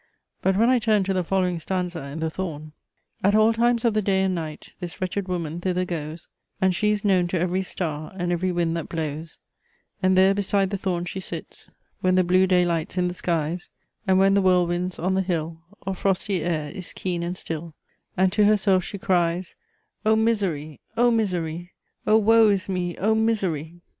But when I turn to the following stanza in The Thorn: "At all times of the day and night This wretched woman thither goes; And she is known to every star, And every wind that blows And there, beside the Thorn, she sits, When the blue day light's in the skies, And when the whirlwind's on the hill, Or frosty air is keen and still, And to herself she cries, Oh misery! Oh misery! Oh woe is me! Oh misery!"